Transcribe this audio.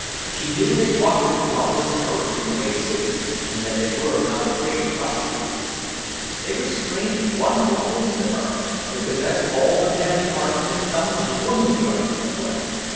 She knew they walked with dauntless courage in great cities, and that they were not afraid of prosecutors. They were strange, wonderful things to her. They possessed all the manly arts and some of the womanly arts as well.